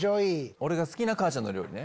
俺が好きな母ちゃんの料理ね。